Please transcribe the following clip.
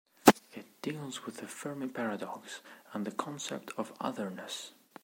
It deals with the Fermi paradox and the concept of otherness.